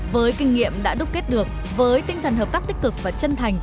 với kinh nghiệm đã đúc kết được với tinh thần hợp tác tích cực và chân thành